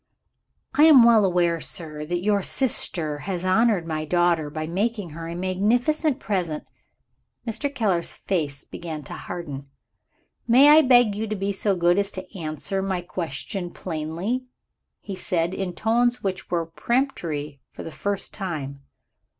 "I am well aware, sir, that your sister has honored my daughter by making her a magnificent present " Mr. Keller's face began to harden. "May I beg you to be so good as answer my question plainly?" he said, in tones which were peremptory for the first time.